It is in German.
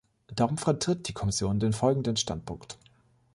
Darum vertritt die Kommission den folgenden Standpunkt.